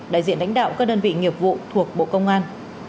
đại diện lãnh đạo các đơn vị nghiệp vụ thuộc bộ công an